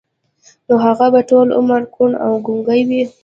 نو هغه به ټول عمر کوڼ او ګونګی و.